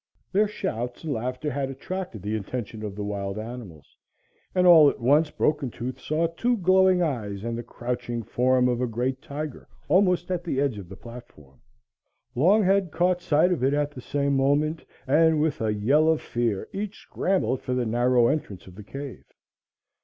Their shouts and laughter had attracted the attention of the wild animals, and all at once Broken Tooth saw two glowing eyes and the crouching form of a great tiger almost at the edge of the platform. Longhead caught sight of it at the same moment, and with a yell of fear each scrambled for the narrow entrance of the cave.